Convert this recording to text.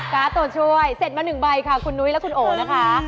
การ์ดตัวช่วยเสร็จมา๑ใบค่ะคุณนุ้ยและคุณโอนะคะ